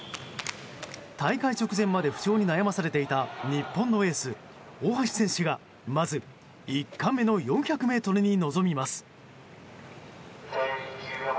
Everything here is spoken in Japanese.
大会直前まで不調に悩まされていた日本のエース、大橋選手がまず１冠目の４００ｍに臨みます。